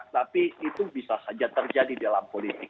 tapi itu bisa saja terjadi dalam politik